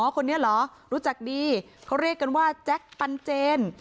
คนนี้เหรอรู้จักดีเขาเรียกกันว่าแจ็คปันเจน